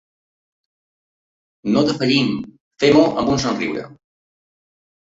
No defallim, fem-ho amb un somriure.